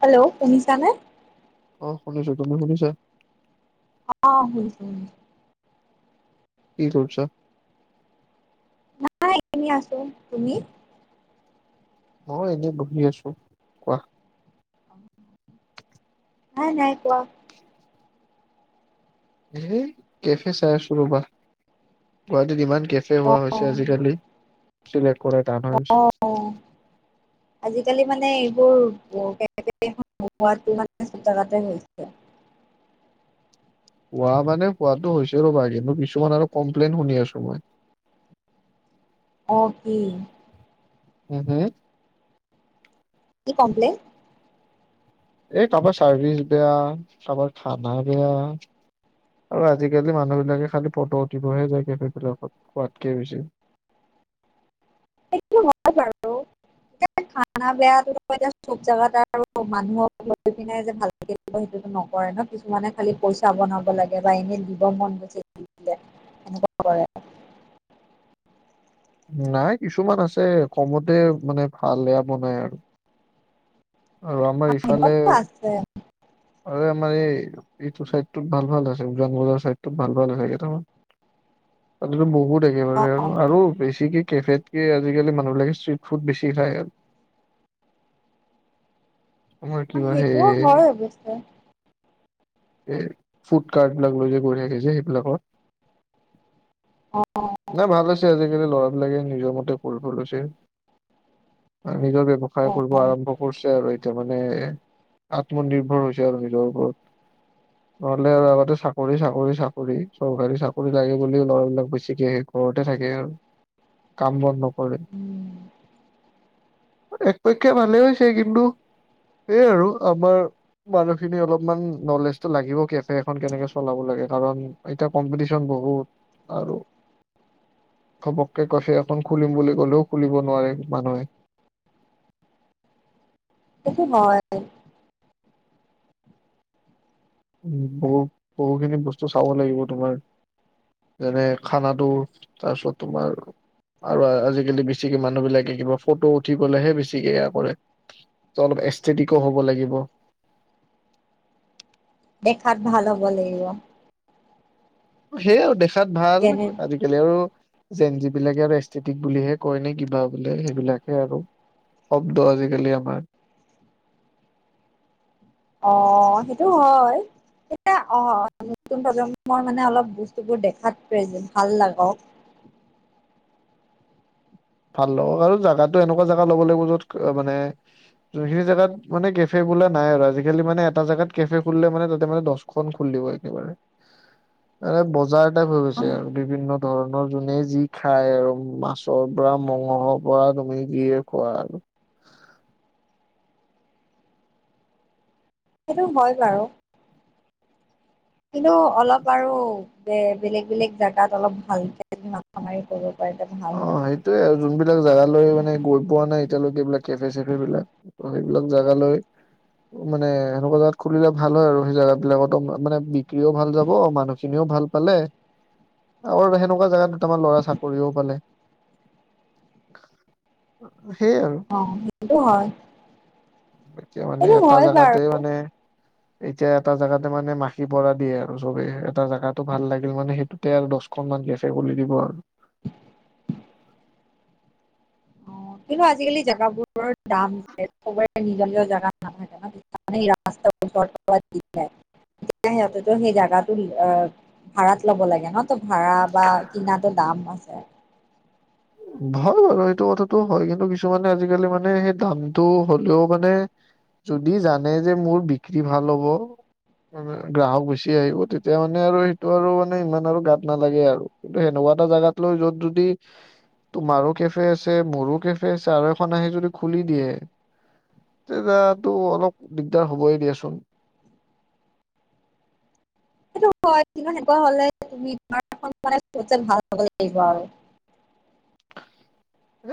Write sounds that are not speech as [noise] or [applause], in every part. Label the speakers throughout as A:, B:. A: Hello শুনিছানে?
B: অ' শুনিছো, তুমি শুনিছা?
A: আহ শুনিচো শুনিচো।
B: কি কৰছ?
A: নাই এনেই আছো তুমি?
B: অ' এনেই বহি আছো কোৱা।
A: নাই, নাই কোৱা।
B: এ কেফে চাই আছো ৰবা গুৱাহাটীত ইমান, কেফে
A: অ
B: হোৱা হৈছে আজিকালি। [unintelligible] কৰাই টান হয়।
A: অ আজিকালি মানে এইবোৰ [inaudible] হৈছে।
B: পোৱা মানে পোৱাাতটো হৈছে ৰ'বা, কিন্তু কিছুমান আৰু কমপ্লেইন শুনি আছো মই।
A: অ'‌ কি?
B: উম হম।
A: কি কমপ্লেইন?
B: এই কাৰোবাৰ চাৰ্ভিচ বেয়া, কাৰোবাৰ খানা বেয়া, আৰু আজিকালি মানুহ বিলাকে খালি ফটো উঠিবহে যায়গে সেইবিলাকত, খোৱাতকে বেছি।
A: সেইটো হয় বাৰু এ খানা বেয়াটো এতি চব জাগাত আৰু মানুহক লৈ পিনে যে ভালে দিব সেইটো নকৰে ন কিছুমানে খালি পইচা বনাব লাগে বা এনেই দিব মন গৈছে দি দিলে সনেকুৱা কৰে।
B: নাই কিছুমান আছে কমতে মানে ভাল এয়া বনাই আৰু। আৰু
A: অ
B: আমাৰ ইফালে
A: সেনেকুৱাতো আছে।
B: আৰু আমাৰ এই এইটো চাইত ভাল ভাল আছে, উজান বজৰ চাইডত ভাল ভাল আছে কেইটামান, তাতেটো বহুত
A: অ
B: একেবাৰে
A: অ
B: আৰু আৰু বেছিকে কেফেতকে আজিকালি মানুহবিলাকে ষ্ট্ৰিট ফুড বেছি খাই আৰু। তোমাৰ
A: অ'
B: কিবা সেই
A: সেইটোও হয় অৱশ্যে।
B: এ ফুড কাৰ্ট বিলাক লৈ যে গৈ থাকে যে সেইবিলাকৰ নাই ভাল আজিকালি ল'ৰাবলাকে নিজৰ মতে কৰিব লৈছে। নিজৰ
A: অ
B: ব্যৱসায় কৰিব
A: অ
B: আৰম্ভ কৰিছে। আৰু এতিয়া মানে আত্মনিৰ্ভৰ হৈছে আৰু নিজৰ ওপৰত। নহ'লে আৰু আগতে চাকৰি চাকৰি চাকৰি চৰকাৰী চাকৰি লাগে বুলি ল'ৰাবিলাক বেছিকে ঘৰতে থাকে আৰু কাম বন নকৰে।
A: উম
B: একপক্ষে ভালে হৈছে কিন্তু সেইয় আৰু আমাৰ মানুহখিনি অলপমান নলেজ লাগিব কেফে এখন কেনেকে চলাব লাগে কাৰণ এতিয়া কম্পিটিশ্য বহুত, আৰু ঘপকে কেফে এখন খুলিম বুলি কলেও খুলিব নোৱাৰে মানুহে।
A: সেইটো হয়।
B: বহু বহুখিনি বস্তু চাব লাগিব তোমাৰ, যেনে খানাটো তাৰপিছত তোমাৰ আৰু আজিকালি বেছিকে মানুহ বিলাকে কিবা ফটো উঠি পেলাইহে বেছিকে এয়া কৰে অলপ এষ্টেটিকো হ'ব লাগিব।
A: দেখাত ভাল হ'ব লাগিব।
B: সেইয়া আৰু দেখা খাত ভাল
A: যেনে
B: আজিকালি আৰু যেন যিবিলাকে আৰু এষ্টেটিক বুলিহে কয় নে কিবা বোলে, সেইবিলাকে আৰু শব্দ আজিকালি আমাৰ
A: আহ, সেইটো হয়, এয়া আহ নতুন প্ৰজন্মই মানে অলপ বস্তুবোৰ দেখাত [unintelligible] ভাল লাগক
B: ভাল লাগক আৰু জোগাতো এনেকুৱা জেগা ল'ব লাগিব য'ত মানে যোনখিনি জোগাত মানে কেফে বোলা নাই আৰু আজিকালি মানে এটা জেগাত কেফে খুলিলে মানে তাতে মানে দহখন খুলিব একেবাৰে, বজাৰ হৈ
A: অ'
B: গৈছে আৰু বিভিন্ন ধৰণৰ যোনে যি খাই আৰু মাছৰ পৰা, মঙহৰ পৰা, তুমি কিয়ে খোৱা আৰু
A: সেইটো হয় বাৰু কিন্তু অলপ আৰু ব বেলেগ-বেলেগ জাগাত অলপ ভালকে মাথা মাৰি কৰো
B: অ সেইটোয়ে আৰু যোনবিলাক জেগালৈ মানে গৈ পোৱা নাই এতিয়ালৈকে এইবিলাক কেফে-চেফে বিলাক ত সেইবিলাক জেগা লৈ, মানে সেনেকুৱা খুলিলে ভাল হয় আৰু, সেই জেগ বিলাকতো মানে বিক্ৰীও ভাল যাব, মানুহখিনিও ভাল পালে আৰু সেনেকুৱা জোগাত দুটামান ল'ৰা চাকৰিও পালে। অ সেইয়ে আৰু,
A: অ সেইটো হয়
B: এতিয়া মানে
A: সেইটো
B: এটা
A: হয় বাৰু
B: জোগাতে মানে এতিয়া এটা জেগাতে মানে মাখি পৰা দিয়ে আৰু চবে এটা জোগাতটো ভাল লাগিল মানে সেইটোতে আৰু দহখন মান গছেে খ দিব আৰু
A: অ কিন্তু আজিকালি জেগাবোৰৰ দাম [unintelligible] নিজৰ-নিজৰ জেগা নাথাকে ন, ৰাস্তাৰ ওচ [unintelligible] সেই জেগাটো ভাড়াত লব লাগে ন, ত ভাড়া বা কিনাতো দাম আছে।
B: হয় বাৰু, সেইটো কথাটো হয়, কিন্তু কিছুমানে আজিকালি মানে সেই দামটো হলেও মানে, যদি জানে যে মোৰ বিক্ৰী ভাল হ'ব গ্ৰাহক বেছি আহিব, তেতিয়া মানে আৰু সেইটো আৰু মানে ইমান আৰু গাত নালাগে আৰু কিন্তু সেনেকুৱা এটা জোগাত লৈ যত যদি তোমাৰো কেফে আছে মোৰ কেফে আছে আৰু এখন আহি যদি খুলি দিয়ে, তেতাতো অলপ দিগদাৰ হবই দিয়াচোন।
A: সেইটো হয় কিমান সনেকুৱা হলে তুমিমাৰ মানে ভাল হব লাগিব আৰু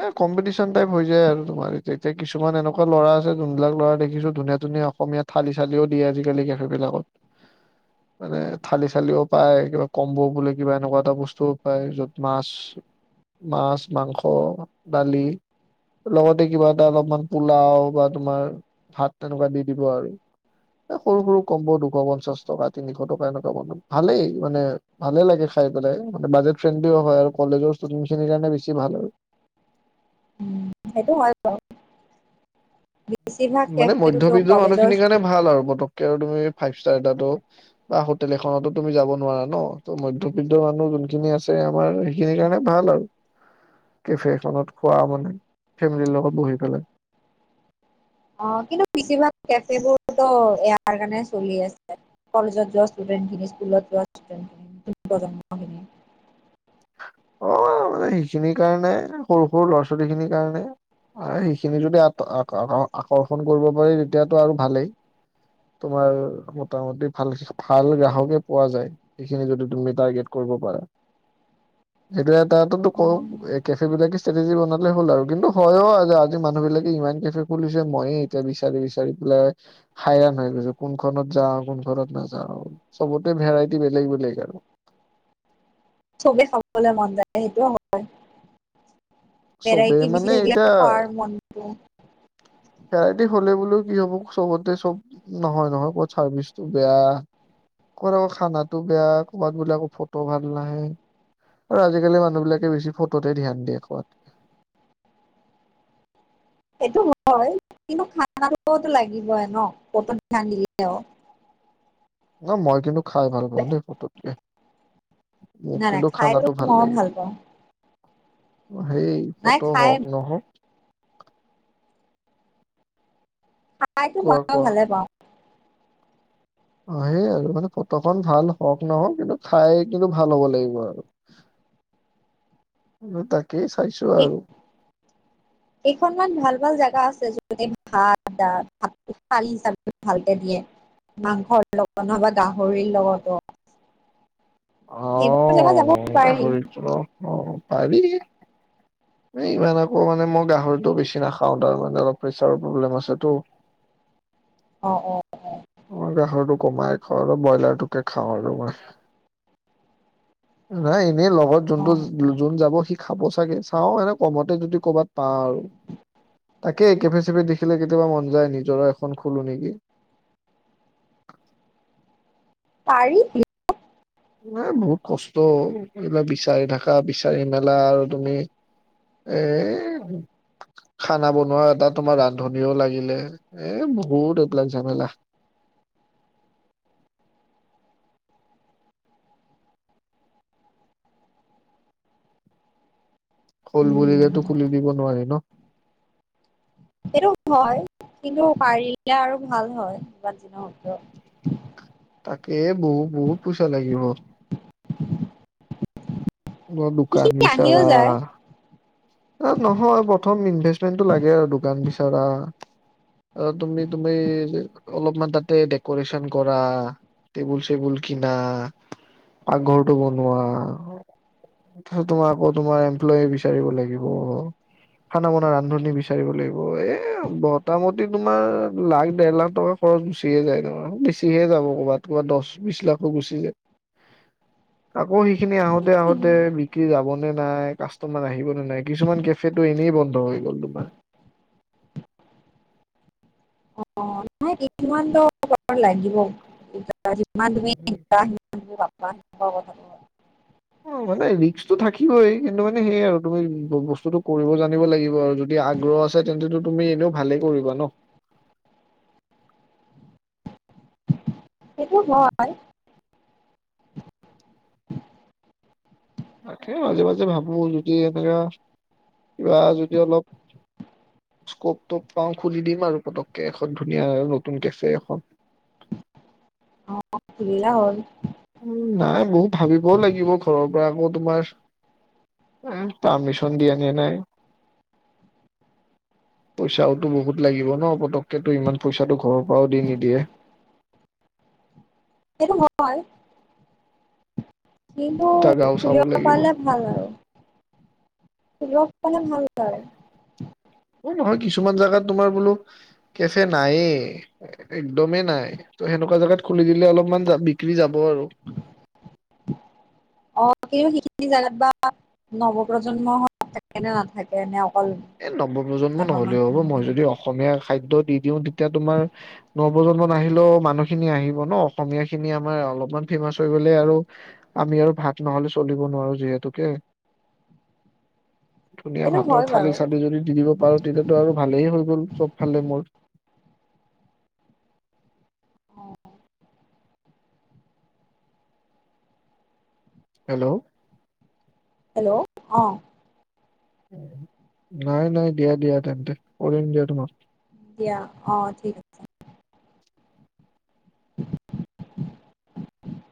B: এ কম্পিটিচন টাইপ হৈ যায় আৰু তোমাৰ এতিয়া, এতিয়া কিছুমান এনেকুৱা ল'ৰা আছে যোনবিলাক ল'ৰা দেখিছো ধুনীয়া-ধুনীয়া অসমীয়া থালি-চালিও দিয়ে আজিকালি কেফে বিলাকত, মানে থালি-চালিও পায়, কিবা কম্বৌ বোলে কিবা এনেকুৱা এটা বস্তুও পায়, যত মাছ, মাছ-মাংস অ, দালি, লগতে কিবা এটা অলপমান পোলাও বা তোমাৰ ভাত তেনেকুৱা দি দিব আৰু, এ সৰু-সৰু কম ব দুশ পঞ্চাশ টকা, তিনিশ টকা, এনেকুৱা বন, ভালেই, মানে ভালে লাগে খাই পেলাই, মানে বাজেট ফ্ৰেণ্ডলিও হয় আৰু কলেজৰ ষ্টুডেন্ট খিনিৰ কাৰণে বেছি ভাল আৰু-
A: উম, সেইটো হয় বাৰু
B: মানে মধ্যবিত্তৰ মানুহখিনিৰ কাৰণে ভাল আৰু পটককে আৰু তুমি ফাইভষ্টাৰ এটাতো বা হোটেল এখনতো তুমি যাব নোৱাৰা ন, মধ্যবিত্ত মানুহ যোনখিনি আছে আমাৰ সেইখিনৰ কাৰনে ভাল আৰু কেফে এখনত খোৱা মানে ফেমিলিৰ লগত বহিপেলাই -
A: অ কিন্তু বেছিভাগ কেফেবোৰতো এয়াৰ কাৰণে চলি আছে, কলেজত যোৱা ষ্টুডেন্ট খিনি, স্কুলত যোৱা ষ্টুডেন্ট, নতুন প্ৰজন্মখিনি-
B: অ মানে সেইখিনিৰ কাৰণে, সৰু-সৰু ল'ৰা-ছোৱালীখিনিৰ কাৰণে, সেইখিনি যদি আত আকৰ্ষণ কৰিব পাৰি তেতিয়াতো আৰু ভালেই, তোমাৰ মোটামুটি ভাল-ভাল গ্ৰাহকে পোৱা যায় সেইখিনি যদি তুমি টাৰ্গেট কৰিব পাৰা। সেইটোয়ে [unintelligible]
A: অ
B: কওঁ এ কেফে বিলাকে ষ্ট্ৰেটেজি বনালে হ'ল আৰু কিন্তু হয়ো আজি মানুহবিলাকে ইমান কেফে খুলিছে, মইয়ে এতিয়া বিচাৰি-বিচাৰি পেলাই হাইৰাণ হৈ গৈছো, কোনখনত যাও, কোনখনত নাযাও, চবতে ভেৰাইটি বেলেগ--বেলেগ আৰু।
A: চবে খাবলৈ মন যায় সেইটোও হয়।
B: চবে
A: ভেৰাইটী
B: মানে
A: বিচি থাকিল
B: এতিয়া
A: খোৱাৰ মনটো
B: ভেৰাইটি হলে বোলে কি হব, চবতে চব নহয়, নহয়, কবাত চাৰ্ভিচটো বেয়া, কবাত আকৌ খানাটো বেয়া, কবাত বোলে আকৌ ফটো ভাল নাহে আৰু আজিকালি মানুহ বিলাকে বেছি ফটোতে ধ্যান দিয়ে খোৱাত
A: এইটো হয় কিন্তু খানাটো লাগিবই ন, ফটোত ধ্যান দিলেও
B: ন মই কিন্তু খাই ভাল পাওঁ দেই ফটোতকে মোক
A: নাই, নাই,
B: কিন্তু
A: খাই ল
B: খানাটো
A: মইও
B: লাগে
A: ভাল পাওঁ।
B: সেই
A: নাই
B: ফটো
A: খাই
B: হওক নহওক
A: খাইতো
B: কোৱা
A: মইও
B: কোৱা
A: ভালে পাওঁ।
B: অ সেই আৰু মানে ফটোখন ভাল হওক-নহওক, কিন্তু খাই কিন্তু ভাল হ'ব লাগিব আৰু তাক তাকেই চাইছো
A: এই, কেইখনমান ভাল-ভাল জেগা আছ ভাত ভাতাল হিচাপে ভালকে দিয়ে মাংসৰ লগত নহবা গাহৰিৰ লগতো- [unintelligible]
B: অ
A: সেইবোৰ জেগা যাবও পাৰি।
B: গাহৰিটো ন পাৰি। এ ইমান আকৌ মানে মই গাহৰিতটো বেছি নাখাওঁ, তাৰ মানে অলপ প্ৰেচাৰ প্ৰব্লেম আছেতো।
A: অ অ
B: অ' গাহৰিটো- - কমাই খোৱা আৰু ব্ৰইলাৰটোকে খাওঁ আৰু, মই নাই এনে লগত
A: অ
B: যোনটো যোন যাব সি খাব চাগে চাওঁ এনে কমতে যদি কৰ'বাত পাওঁ আৰু, তাকে কেফে চেফে দেখিলে কেতিয়াবা মন যায় নিজৰ এখন খোলো নেকি।
A: পাৰি। কিন্তু
B: এ বহুত কষ্ট এইবিলাক বিচাৰি থাকা বিচাৰি মেলা আৰু তুমি এ খানা বনোৱা এটা তোমাৰ ৰান্ধনিও লাগিলে এ বহুত এইবিলাক ঝামেলা। খোল বুলিলেটো
A: উম
B: খুলি দিব নোৱাৰি। ন।
A: সেইটো হয়। কিন্তু পাৰিলে আৰু ভাল হয় যমান দিনৰত।
B: তাকে বহুত বহুত পইচা লাগিব। দ দুোকান
A: সেইখিনি আহিও
B: বিচাৰা
A: যায়
B: টো লাগে আৰু দোকান বিচাৰ তুমি তুমি অলপমান তাতে ডেকৰেচন কৰা টেবুল চবুল কিনা পাকঘৰটো বনোৱা তাৰছত তোমাৰ আকৌ তোমাৰ এমপ্লয় বিচাৰিব লাগিব। খানা মান ৰান্ধনি বিচাৰিব লাগিব এ মোটামুটি তোমাৰ লাখ দেৰ লাখ টকা খৰচ গুচিহে যায় ন বেছিহে যাব ক'ৰবাত ক'বাত দহ বিশ লাখো গুচি যায় আকৌ। খিনি আহোতে আহোতে বিক্ৰী যাব। নে নাই কাষ্টমাৰ আহিব নে নাই- কিছুমান কেফেটো এনেই বন্ধ হৈ গ'ল তোমাৰ
A: অ' ন কিমান দ লাগিব তমান অ' হ'ব হ'ব
B: অ' মানে ৰিক্কটো থাকিবই কিন্তু মানে সেইয় আৰু তুমি বস্তুটো কৰিব জানিব লাগিব আৰু যদি আগ্ৰহ আছে তেন্তো তুমি এনেও ভালেই কৰিবা ন
A: সেইটো হয়, [unintelligible]
B: তাকে মাজে মাজে ভাবো যদি এনো কিবা যদি অলপ স্কপপ পাওঁ খুুলি দিম আৰু পতককে এখন ধুনীয়া আৰু নতুন কেফে এখন
A: অ' খলা হল
B: উম, নাই বহুত ভাবিবও লাগিব ঘৰৰ আকৌ তোমাৰ পাৰ্মিচন দিয়া নিয় নাই পইচাওতো বহুত লাগিব ন পতককেতটো ইমান পইচাটো ঘৰৰ পৰাও দি নিদিয়ে
A: সটো ম কিন্তু
B: জাগাও চাব
A: খুলিব
B: লাগিব
A: পাৰিলে ভাল আৰু ৰোগ পে ভাল যায়
B: অ' নহয় কিছুমান জাগাত তোমাৰ বোলো কেফে নাইে একদমেই নাই ত সেনেকুৱা জোগাত খুলি দিলে অলপমান বিক্ৰী যাব ব আৰু
A: অঁ সেইখিনি জাগাত বা নৱ প্ৰ্জন্ম থাকে নে নাথাকে ন
B: এ নৱ প্ৰজন্ম নহ'লেও হ'ব, মই যদি অসমীয়া খাদ্যত দি দিওঁ তেতিয়া তোমাৰ নৱজন্মান নাহিলেও মানুহখিনি আহিব ন, অসমীয়া খিনি আমাৰ অলপমান ফেমাচ হৈ গ'লে আৰু আমি আৰু ভাত নহলে চলিব নোৱাৰো যিহেতুকে। ধুনীয়া
A: সেইটো
B: ভাতত
A: হয়
B: ঠালী
A: বাৰু
B: চালি যদি দি দিব পাৰো, তেতিয়াতো আৰু ভালেই হৈ গ'ল চব ফালে মোৰ। হেল্ল'?
A: হেল্ল' অ'।
B: নাই নাই দিয়া দিয়া তেন্তে কৰিম দিয়া তোমাক।
A: দিয়া, অ' ঠিক আছে।